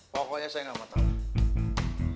pokoknya saya nggak mau tahu